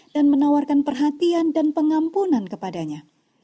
dan menawarkan perhatian dan pengampunan kepadanya